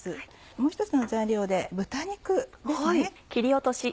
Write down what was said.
もう一つの材料で豚肉ですね。